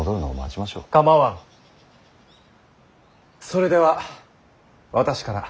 それでは私から。